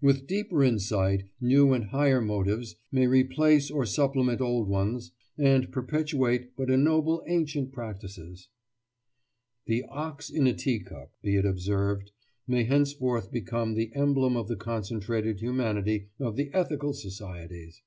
With deeper insight, new and higher motives may replace or supplement old ones, and perpetuate but ennoble ancient practices." Footnote 14: The Ethical World, May 7, 1898. The "Ox in a Tea cup," be it observed, may henceforth become the emblem of the concentrated humanity of the ethical societies!